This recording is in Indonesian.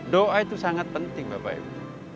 doa itu sangat penting bapak ibu